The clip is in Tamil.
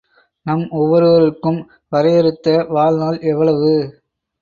நம் ஒவ்வொருவருக்கும் வரையறுத்த வாழ் நாள் எவ்வளவு?